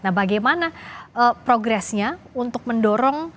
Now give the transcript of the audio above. nah bagaimana progresnya untuk mendorong